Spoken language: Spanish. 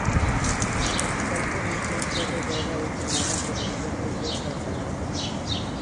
La capital provincial fue rodeada y tomada por las fuerzas de Calatayud.